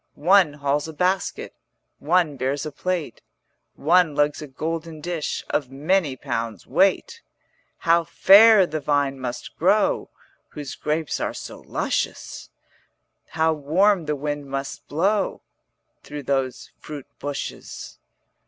One hauls a basket, One bears a plate, One lugs a golden dish Of many pounds weight. How fair the vine must grow 60 Whose grapes are so luscious; How warm the wind must blow Through those fruit bushes.'